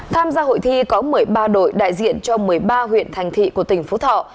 tham gia hội thi có một mươi ba đội đại diện cho một mươi ba huyện thành thị của tỉnh phú thọ